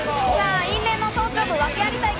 因縁の頭頂部訳あり対決、